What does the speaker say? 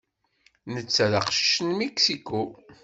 Netta d aqcic n Mexico.